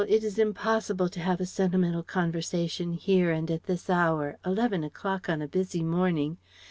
It is impossible to have a sentimental conversation here, and at this hour Eleven o'clock on a busy morning.